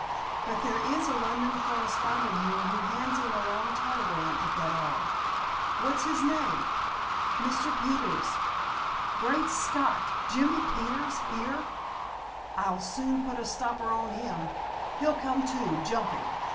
"But there is a London correspondent here who hands in a long telegram at that hour." "What's his name?" "Mr. Peters." "Great Scott! Jimmie Peters here? I'll soon put a stopper on him. He'll come, too—jumping.